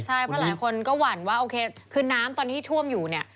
ใช่เพราะหลายคนก็หวั่นว่าโอเคคือน้ำตอนที่ท่วมอยู่เนี่ย